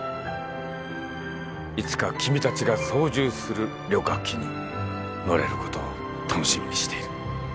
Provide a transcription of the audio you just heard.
いつか君たちが操縦する旅客機に乗れることを楽しみにしている。